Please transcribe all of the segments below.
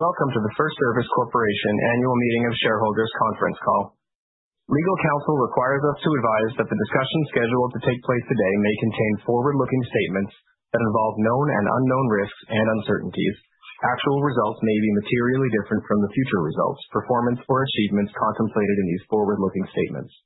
Welcome to the FirstService Corporation Annual Meeting of Shareholders conference call. Legal counsel requires us to advise that the discussion scheduled to take place today may contain forward-looking statements that involve known and unknown risks and uncertainties. Actual results may be materially different from the future results, performance, or achievements contemplated in these forward-looking statements.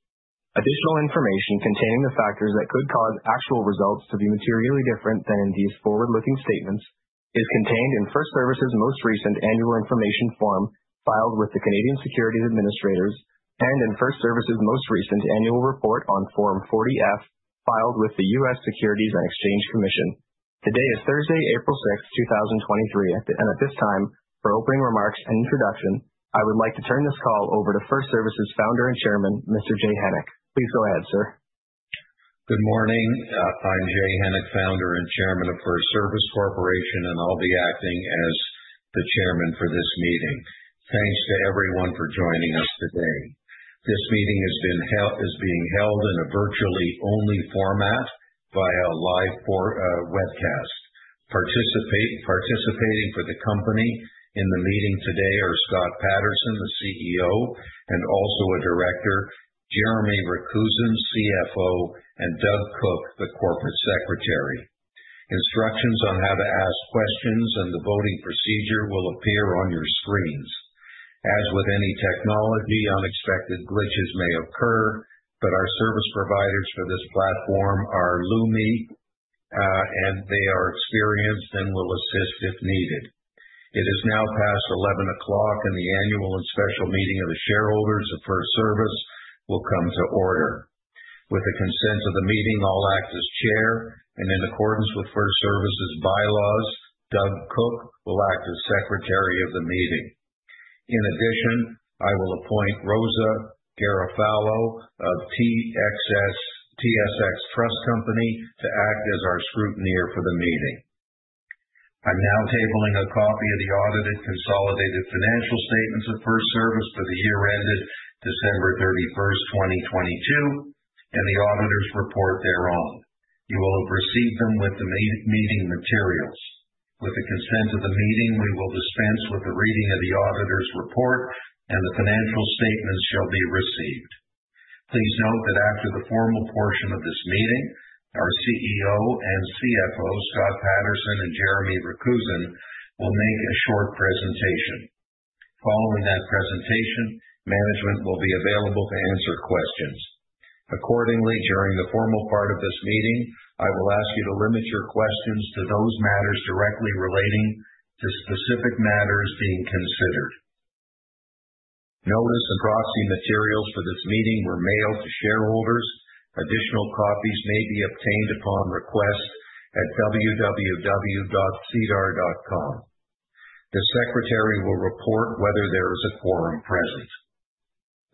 Additional information containing the factors that could cause actual results to be materially different than in these forward-looking statements is contained in FirstService's most recent annual information form filed with the Canadian Securities Administrators and in FirstService's most recent annual report on Form 40-F, filed with the US Securities and Exchange Commission. Today is Thursday, April 6, 2023, and at this time, for opening remarks and introduction, I would like to turn this call over to FirstService's Founder and Chairman, Mr. Jay Hennick. Please go ahead, sir. Good morning. I'm Jay Hennick, founder and Chairman of FirstService Corporation, and I'll be acting as the Chairman for this meeting. Thanks to everyone for joining us today. This meeting is being held in a virtually only format via live webcast. Participating for the company in the meeting today are Scott Patterson, the CEO, and also a Director, Jeremy Rakusin, CFO, and Doug Cooke, the Corporate Secretary. Instructions on how to ask questions and the voting procedure will appear on your screens. As with any technology, unexpected glitches may occur, but our service providers for this platform are Lumi, and they are experienced and will assist if needed. It is now past 11:00 A.M., and the annual and special meeting of the shareholders of FirstService will come to order. With the consent of the meeting, I'll act as Chair, and in accordance with FirstService's bylaws, Doug Cooke will act as Secretary of the meeting. In addition, I will appoint Rosa Garofalo of TSX Trust Company to act as our scrutineer for the meeting. I'm now tabling a copy of the audited consolidated financial statements of FirstService for the year ended December 31st, 2022, and the auditor's report thereon. You will have received them with the meeting materials. With the consent of the meeting, we will dispense with the reading of the auditor's report, and the financial statements shall be received. Please note that after the formal portion of this meeting, our CEO and CFO, Scott Patterson and Jeremy Rakusin, will make a short presentation. Following that presentation, management will be available to answer questions. Accordingly, during the formal part of this meeting, I will ask you to limit your questions to those matters directly relating to specific matters being considered. Notice and proxy materials for this meeting were mailed to shareholders. Additional copies may be obtained upon request at www.sedar.com. The Secretary will report whether there is a quorum present.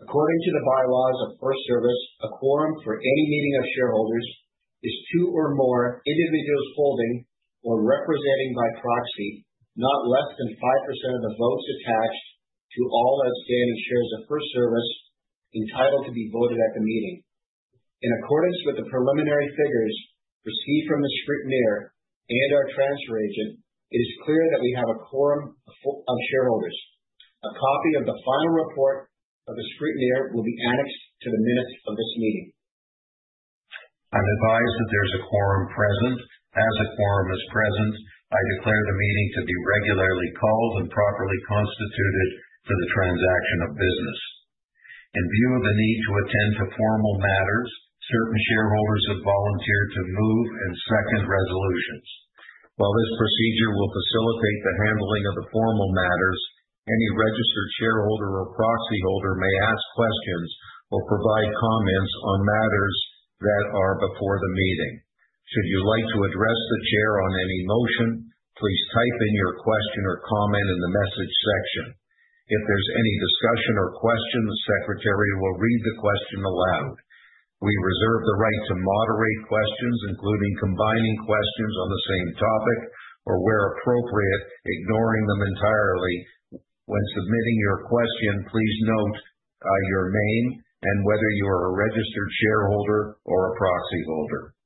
According to the bylaws of FirstService, a quorum for any meeting of shareholders is two or more individuals holding or representing by proxy, not less than 5% of the votes attached to all outstanding shares of FirstService entitled to be voted at the meeting. In accordance with the preliminary figures received from the scrutineer and our transfer agent, it is clear that we have a quorum of 5% of shareholders. A copy of the final report of the scrutineer will be annexed to the minutes of this meeting. I'm advised that there's a quorum present. As a quorum is present, I declare the meeting to be regularly called and properly constituted for the transaction of business. In view of the need to attend to formal matters, certain shareholders have volunteered to move and second resolutions. While this procedure will facilitate the handling of the formal matters, any registered shareholder or proxy holder may ask questions or provide comments on matters that are before the meeting. Should you like to address the Chair on any motion, please type in your question or comment in the message section. If there's any discussion or questions, the secretary will read the question aloud. We reserve the right to moderate questions, including combining questions on the same topic or, where appropriate, ignoring them entirely. When submitting your question, please note your name and whether you're a registered shareholder or a proxy holder.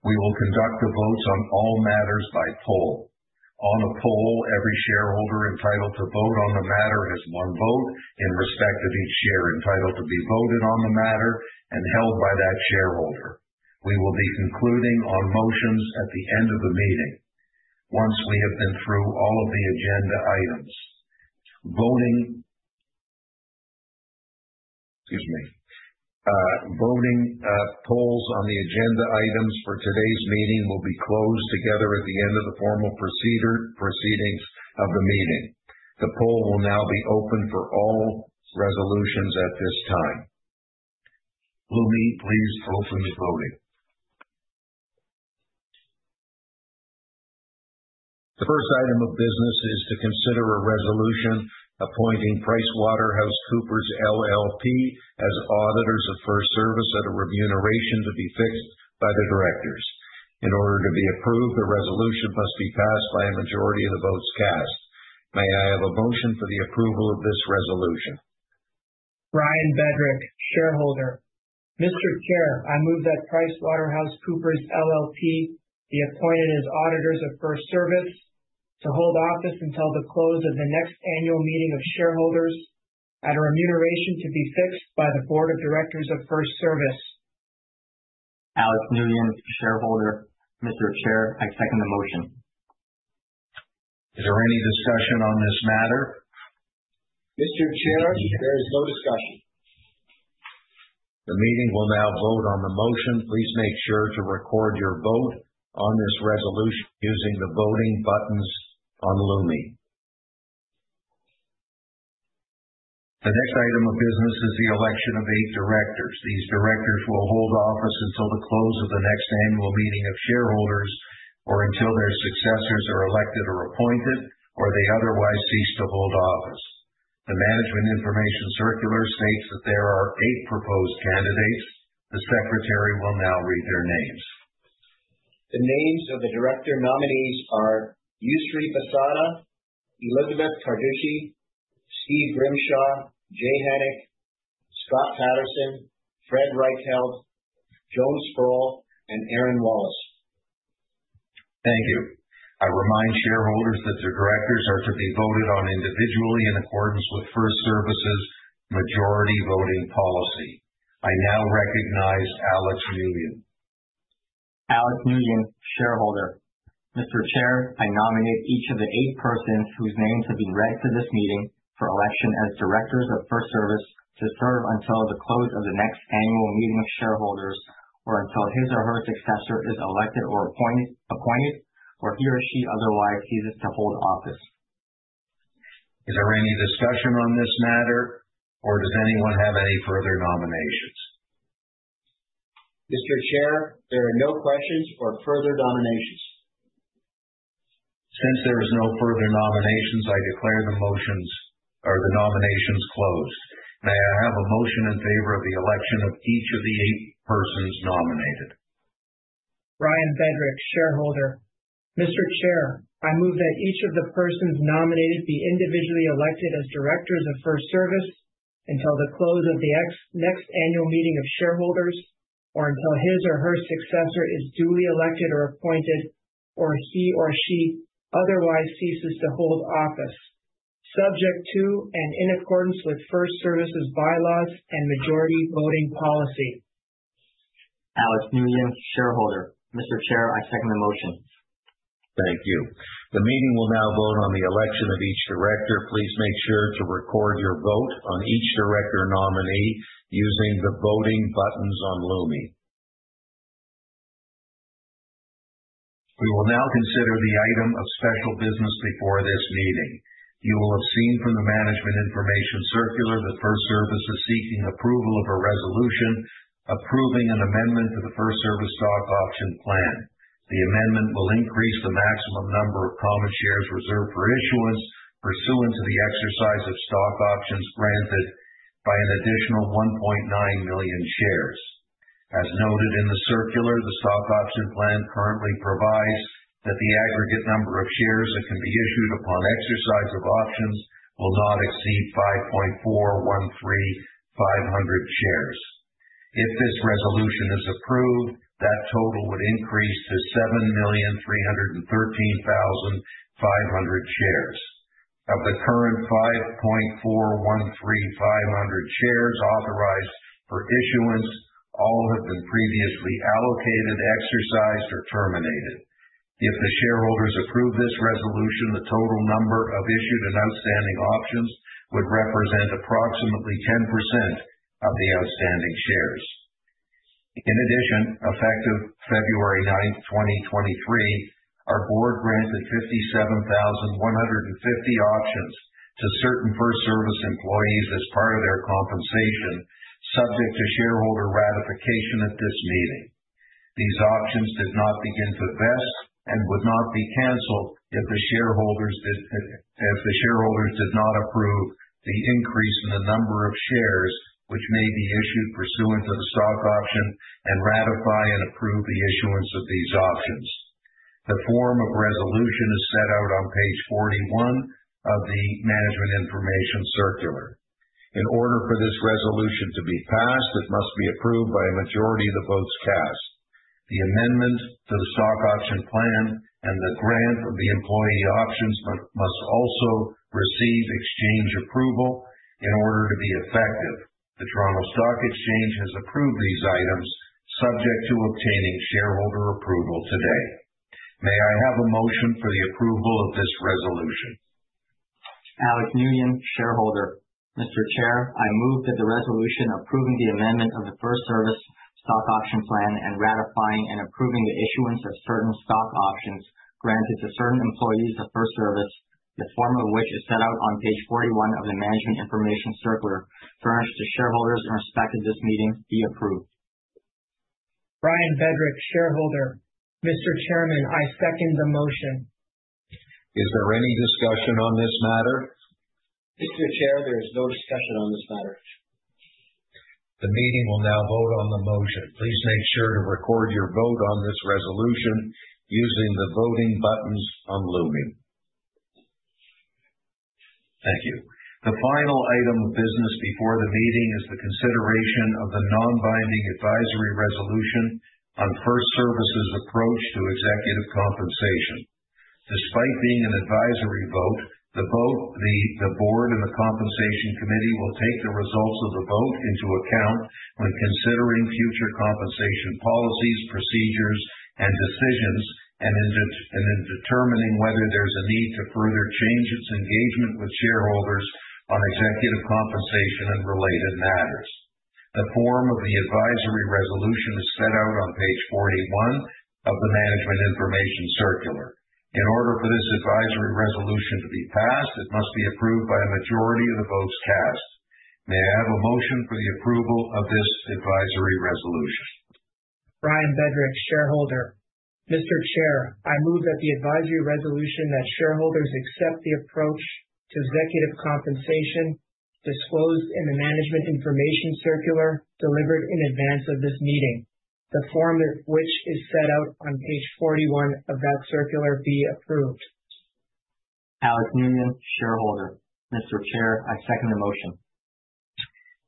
We will conduct the votes on all matters by poll. On the poll, every shareholder entitled to vote on the matter has one vote in respect of each share entitled to be voted on the matter and held by that shareholder. We will be concluding on motions at the end of the meeting once we have been through all of the agenda items. Voting... Excuse me. Voting polls on the agenda items for today's meeting will be closed together at the end of the formal procedure, proceedings of the meeting. The poll will now be open for all resolutions at this time. Lumi, please open the voting. The first item of business is to consider a resolution appointing PricewaterhouseCoopers LLP as auditors of FirstService at a remuneration to be fixed by the Directors. In order to be approved, the resolution must be passed by a majority of the votes cast. May I have a motion for the approval of this resolution? Ryan Bedrich, shareholder. Mr. Chair, I move that PricewaterhouseCoopers LLP be appointed as auditors of FirstService to hold office until the close of the next annual meeting of shareholders, at a remuneration to be fixed by the Board of Directors of FirstService. Alex Nguyen, shareholder. Mr. Chair, I second the motion. Is there any discussion on this matter? Mr. Chair, there is no discussion. The meeting will now vote on the motion. Please make sure to record your vote on this resolution using the voting buttons on Lumi. The next item of business is the election of eight Directors. These directors will hold office until the close of the next annual meeting of shareholders, or until their successors are elected or appointed, or they otherwise cease to hold office. The management information circular states that there are eight proposed candidates. The secretary will now read their names. The names of the Director nominees are Yousry Bissada, Elizabeth Carducci, Steve Grimshaw, Jay Hennick, Scott Patterson, Frederick Reichheld, Joan Sproul, and Erin Wallace. Thank you. I remind shareholders that the Directors are to be voted on individually, in accordance with FirstService's majority voting policy. I now recognize Alex Nguyen. Alex Nguyen, shareholder. Mr. Chair, I nominate each of the eight persons whose names have been read to this meeting for election as directors of FirstService to serve until the close of the next annual meeting of shareholders, or until his or her successor is elected or appointed, or he or she otherwise ceases to hold office. Is there any discussion on this matter or does anyone have any further nominations? Mr. Chair, there are no questions or further nominations. Since there is no further nominations, I declare the motions or the nominations closed. May I have a motion in favor of the election of each of the eight persons nominated? Ryan Bedrich, shareholder. Mr. Chair, I move that each of the persons nominated be individually elected as directors of FirstService until the close of the next annual meeting of shareholders, or until his or her successor is duly elected or appointed, or he or she otherwise ceases to hold office, subject to and in accordance with FirstService's bylaws and majority voting policy. Alex Nguyen, shareholder. Mr. Chair, I second the motion. Thank you. The meeting will now vote on the election of each Director. Please make sure to record your vote on each director nominee using the voting buttons on Lumi. We will now consider the item of special business before this meeting. You will have seen from the management information circular that FirstService is seeking approval of a resolution approving an amendment to the FirstService Stock Option Plan. The amendment will increase the maximum number of common shares reserved for issuance pursuant to the exercise of stock options granted by an additional 1.9 million shares. As noted in the circular, the stock option plan currently provides that the aggregate number of shares that can be issued upon exercise of options will not exceed 5.4135 hundred shares. If this resolution is approved, that total would increase to 7,313,500 shares. Of the current 5,413,500 shares authorized for issuance, all have been previously allocated, exercised, or terminated. If the shareholders approve this resolution, the total number of issued and outstanding options would represent approximately 10% of the outstanding shares. In addition, effective February 9th, 2023, our board granted 57,150 options to certain FirstService employees as part of their compensation, subject to shareholder ratification at this meeting. These options did not begin to vest and would not be canceled if the shareholders did not approve the increase in the number of shares which may be issued pursuant to the stock option and ratify and approve the issuance of these options. The form of resolution is set out on page 41 of the management information circular. In order for this resolution to be passed, it must be approved by a majority of the votes cast. The amendment to the stock option plan and the grant of the employee options must also receive exchange approval in order to be effective. The Toronto Stock Exchange has approved these items, subject to obtaining shareholder approval today. May I have a motion for the approval of this resolution? Alex Nguyen, shareholder. Mr. Chair, I move that the resolution approving the amendment of the FirstService Stock Option Plan and ratifying and approving the issuance of certain stock options granted to certain employees of FirstService, the form of which is set out on page 41 of the management information circular, furnished to shareholders in respect of this meeting, be approved. Ryan Bedrich, shareholder. Mr. Chairman, I second the motion. Is there any discussion on this matter? Mr. Chair, there is no discussion on this matter. The meeting will now vote on the motion. Please make sure to record your vote on this resolution using the voting buttons on Lumi. Thank you. The final item of business before the meeting is the consideration of the non-binding advisory resolution on FirstService's approach to executive compensation. Despite being an advisory vote, the vote, the Board, and the Compensation Committee will take the results of the vote into account when considering future compensation policies, procedures, and decisions, and in determining whether there's a need to further change its engagement with shareholders on executive compensation and related matters. The form of the advisory resolution is set out on page 41 of the Management Information Circular. In order for this advisory resolution to be passed, it must be approved by a majority of the votes cast. May I have a motion for the approval of this advisory resolution? Ryan Bedrich, shareholder. Mr. Chair, I move that the advisory resolution that shareholders accept the approach to executive compensation disclosed in the Management Information Circular delivered in advance of this meeting, the form of which is set out on page 41 of that circular, be approved. Alex Nguyen, shareholder. Mr. Chair, I second the motion.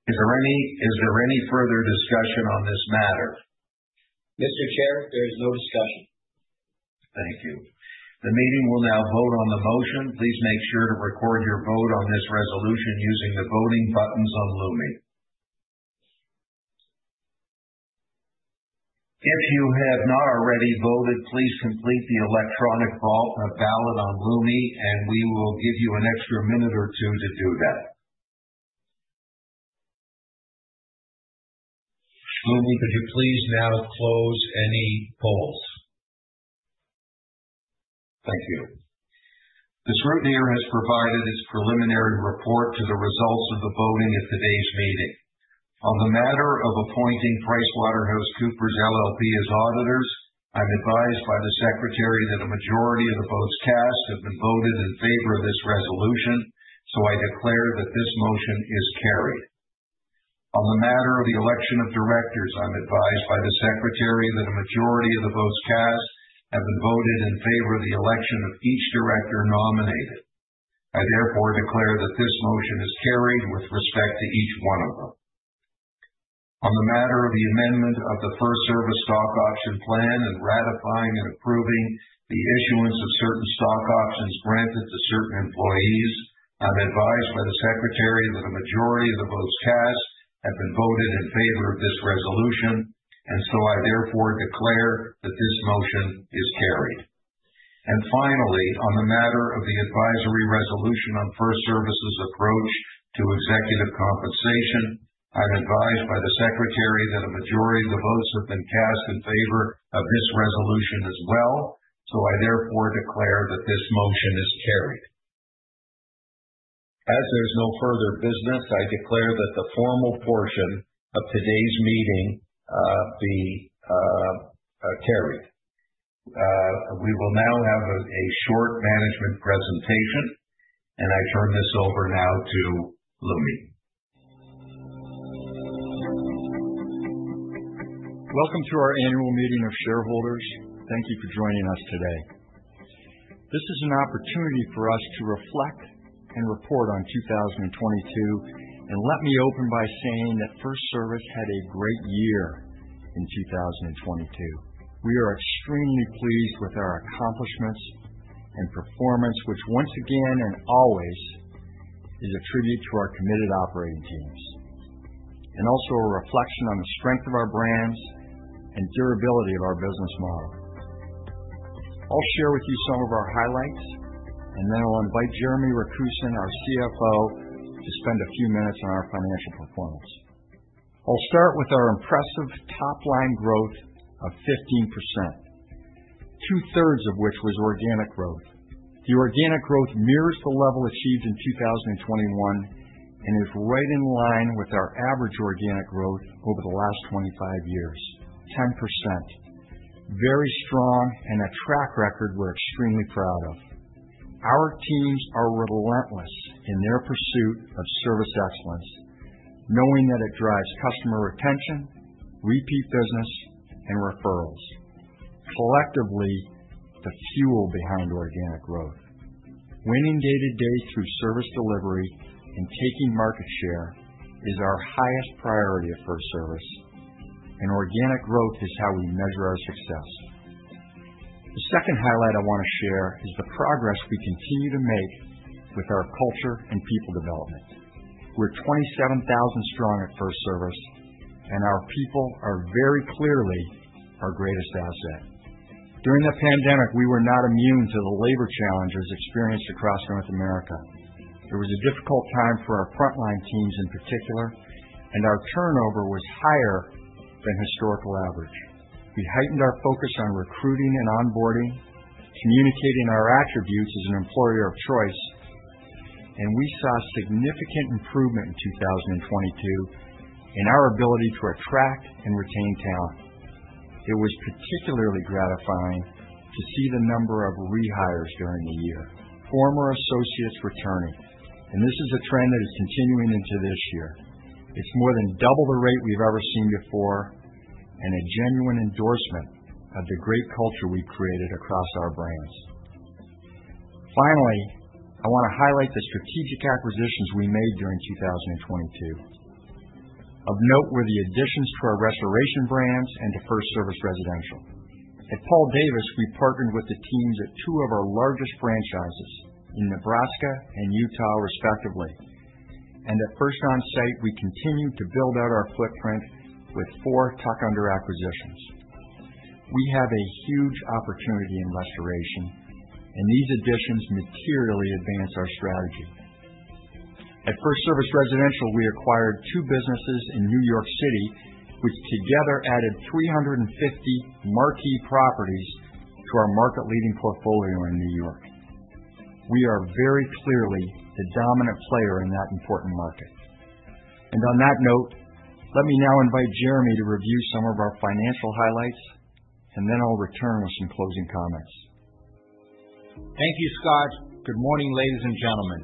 Is there any further discussion on this matter? Mr. Chair, there is no discussion. Thank you. The meeting will now vote on the motion. Please make sure to record your vote on this resolution using the voting buttons on Lumi. If you have not already voted, please complete the electronic vote, ballot on Lumi, and we will give you an extra minute or two to do that. Lumi, could you please now close any polls? Thank you. The scrutineer has provided its preliminary report to the results of the voting at today's meeting. On the matter of appointing PricewaterhouseCoopers LLP as auditors, I'm advised by the secretary that a majority of the votes cast have been voted in favor of this resolution, so I declare that this motion is carried. On the matter of the election of Directors, I'm advised by the Secretary that a majority of the votes cast have been voted in favor of the election of each director nominated. I therefore declare that this motion is carried with respect to each one of them. On the matter of the amendment of the FirstService Stock Option Plan and ratifying and approving the issuance of certain stock options granted to certain employees, I'm advised by the secretary that a majority of the votes cast have been voted in favor of this resolution, and so I therefore declare that this motion is carried. And finally, on the matter of the advisory resolution on FirstService's approach to executive compensation, I'm advised by the secretary that a majority of the votes have been cast in favor of this resolution as well, so I therefore declare that this motion is carried. As there's no further business, I declare that the formal portion of today's meeting be carried. We will now have a short management presentation, and I turn this over now to Lumi. Welcome to our annual meeting of shareholders. Thank you for joining us today. This is an opportunity for us to reflect and report on 2022, and let me open by saying that FirstService had a great year in 2022. We are extremely pleased with our accomplishments and performance, which once again and always, is a tribute to our committed operating teams, and also a reflection on the strength of our brands and durability of our business model. I'll share with you some of our highlights, and then I'll invite Jeremy Rakusin, our CFO, to spend a few minutes on our financial performance. I'll start with our impressive top-line growth of 15%, 2/3 of which was organic growth. The organic growth mirrors the level achieved in 2021 and is right in line with our average organic growth over the last 25 years. 10%. Very strong and a track record we're extremely proud of. Our teams are relentless in their pursuit of service excellence, knowing that it drives customer retention, repeat business, and referrals. Collectively, the fuel behind organic growth. Winning day-to-day through service delivery and taking market share is our highest priority at FirstService, and organic growth is how we measure our success. The second highlight I want to share is the progress we continue to make with our culture and people development. We're 27,000 strong at FirstService, and our people are very clearly our greatest asset. During the pandemic, we were not immune to the labor challenges experienced across North America. It was a difficult time for our frontline teams in particular, and our turnover was higher than historical average. We heightened our focus on recruiting and onboarding, communicating our attributes as an employer of choice, and we saw a significant improvement in 2022 in our ability to attract and retain talent. It was particularly gratifying to see the number of rehires during the year, former associates returning, and this is a trend that is continuing into this year. It's more than double the rate we've ever seen before, and a genuine endorsement of the great culture we've created across our brands. Finally, I wanna highlight the strategic acquisitions we made during 2022. Of note were the additions to our restoration brands and to FirstService Residential. At Paul Davis, we partnered with the teams at two of our largest franchises in Nebraska and Utah, respectively. At First Onsite, we continued to build out our footprint with four tuck-under acquisitions. We have a huge opportunity in restoration, and these additions materially advance our strategy. At FirstService Residential, we acquired two businesses in New York City, which together added 350 marquee properties to our market-leading portfolio in New York. We are very clearly the dominant player in that important market. And on that note, let me now invite Jeremy to review some of our financial highlights, and then I'll return with some closing comments. Thank you, Scott. Good morning, ladies and gentlemen.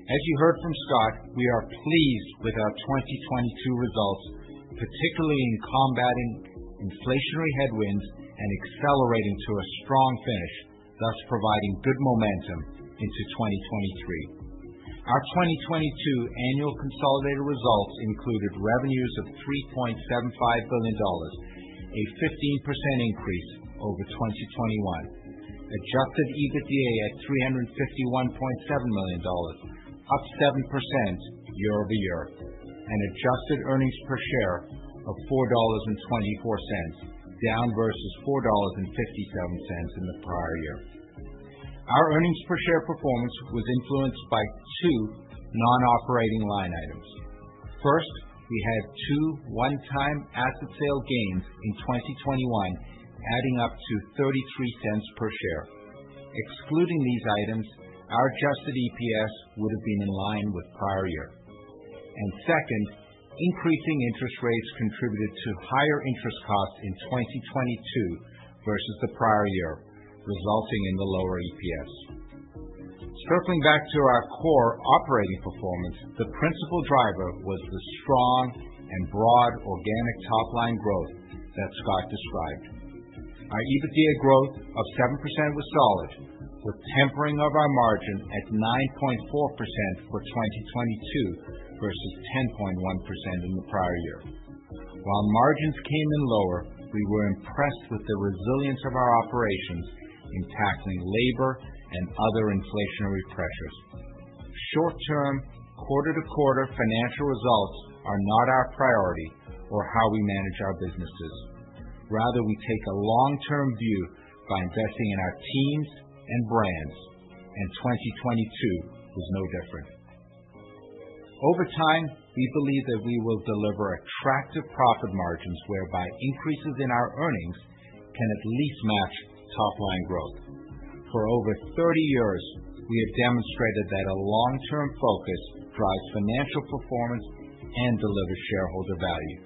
As you heard from Scott, we are pleased with our 2022 results, particularly in combating inflationary headwinds and accelerating to a strong finish, thus providing good momentum into 2023. Our 2022 annual consolidated results included revenues of $3.75 billion, a 15% increase over 2021. Adjusted EBITDA at $351.7 million, up 7% year-over-year, and adjusted earnings per share of $4.24, down versus $4.57 in the prior year. Our earnings per share performance was influenced by two non-operating line items. First, we had two one-time asset sale gains in 2021, adding up to $0.33 per share. Excluding these items, our Adjusted EPS would have been in line with prior year. And second, increasing interest rates contributed to higher interest costs in 2022 versus the prior year, resulting in the lower EPS. Circling back to our core operating performance, the principal driver was the strong and broad organic top-line growth that Scott described. Our EBITDA growth of 7% was solid, with tempering of our margin at 9.4% for 2022 versus 10.1% in the prior year. While margins came in lower, we were impressed with the resilience of our operations in tackling labor and other inflationary pressures. Short-term, quarter-to-quarter financial results are not our priority or how we manage our businesses. Rather, we take a long-term view by investing in our teams and brands, and 2022 was no different. Over time, we believe that we will deliver attractive profit margins, whereby increases in our earnings can at least match top-line growth. For over 30 years, we have demonstrated that a long-term focus drives financial performance and delivers shareholder value.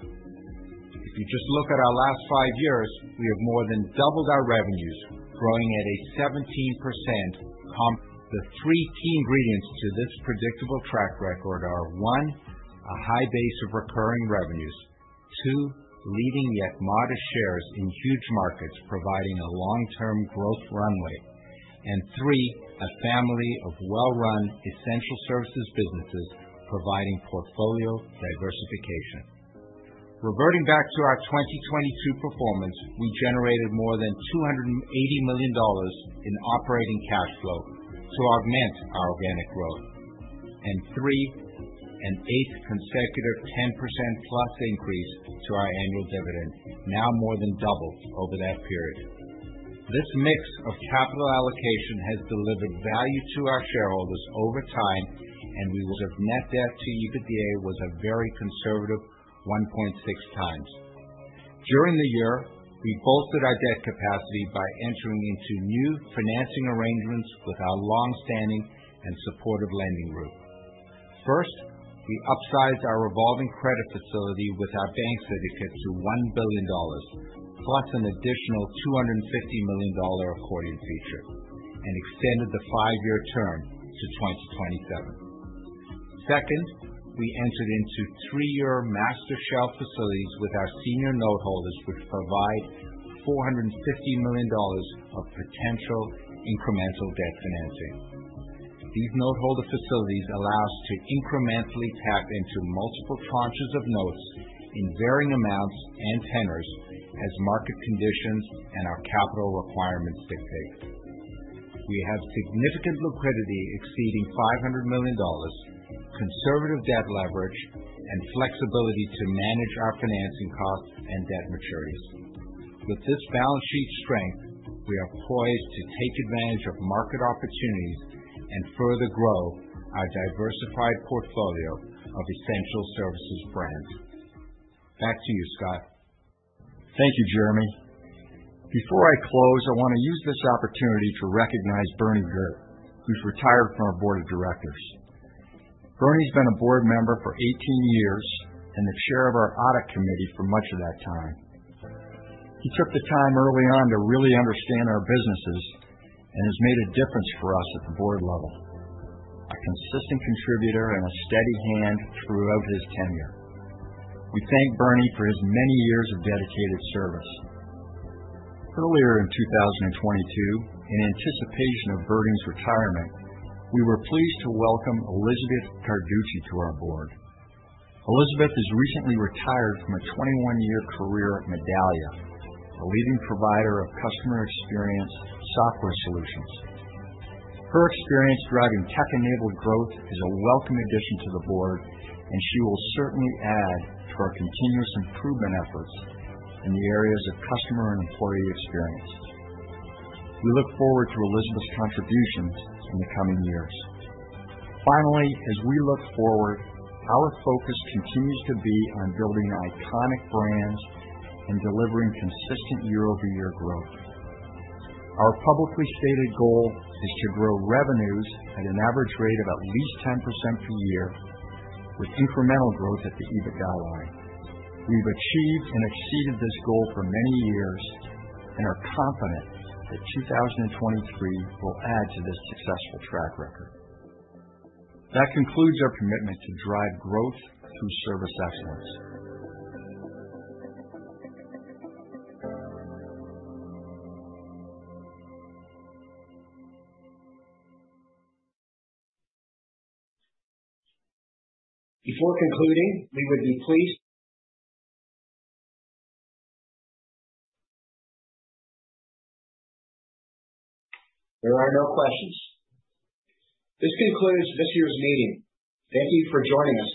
If you just look at our last five years, we have more than doubled our revenues, growing at a 17% comp. The three key ingredients to this predictable track record are, one, a high base of recurring revenues. Two, leading yet modest shares in huge markets, providing a long-term growth runway. And three, a family of well-run essential services businesses providing portfolio diversification. Reverting back to our 2022 performance, we generated more than $280 million in operating cash flow to augment our organic growth. And three, an eighth consecutive 10%+ increase to our annual dividend, now more than double over that period. This mix of capital allocation has delivered value to our shareholders over time, and we will have net debt to EBITDA was a very conservative 1.6 times. During the year, we bolted our debt capacity by entering into new financing arrangements with our long-standing and supportive lending group. First, we upsized our revolving credit facility with our bank syndicate to $1 billion, plus an additional $250 million accordion feature, and extended the five-year term to 2027. Second, we entered into three-year master shelf facilities with our senior note holders, which provide $450 million of potential incremental debt financing. These noteholder facilities allow us to incrementally tap into multiple tranches of notes in varying amounts and tenors as market conditions and our capital requirements dictate. We have significant liquidity exceeding $500 million, conservative debt leverage, and flexibility to manage our financing costs and debt maturities. With this balance sheet strength, we are poised to take advantage of market opportunities and further grow our diversified portfolio of essential services brands. Back to you, Scott. Thank you, Jeremy. Before I close, I wanna use this opportunity to recognize Bernie Ghert, who's retired from our board of directors. Bernie's been a board member for 18 years and the chair of our audit committee for much of that time. He took the time early on to really understand our businesses and has made a difference for us at the board level. A consistent contributor and a steady hand throughout his tenure. We thank Bernie for his many years of dedicated service. Earlier in 2022, in anticipation of Bernie's retirement, we were pleased to welcome Elizabeth Carducci to our board. Elizabeth has recently retired from a 21-year career at Medallia, a leading provider of customer experience software solutions. Her experience driving tech-enabled growth is a welcome addition to the board, and she will certainly add to our continuous improvement efforts in the areas of customer and employee experience. We look forward to Elizabeth's contributions in the coming years. Finally, as we look forward, our focus continues to be on building iconic brands and delivering consistent year-over-year growth. Our publicly stated goal is to grow revenues at an average rate of at least 10% per year, with incremental growth at the EBITDA line. We've achieved and exceeded this goal for many years and are confident that 2023 will add to this successful track record. That concludes our commitment to drive growth through service excellence. Before concluding, we would be pleased... There are no questions. This concludes this year's meeting. Thank you for joining us.